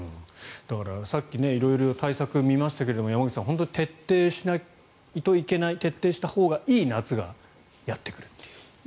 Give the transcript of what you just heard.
だからさっき色々対策を見ましたけど山口さん徹底したほうがいい夏がやってくるという。